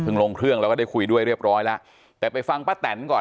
ลงเครื่องแล้วก็ได้คุยด้วยเรียบร้อยแล้วแต่ไปฟังป้าแตนก่อน